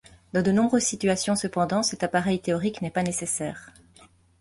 Dans de nombreuses situations cependant, cet appareil théorique n'est pas nécessaire.